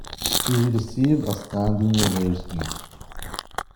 She received a standing ovation.